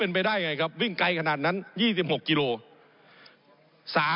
ผมอภิปรายเรื่องการขยายสมภาษณ์รถไฟฟ้าสายสีเขียวนะครับ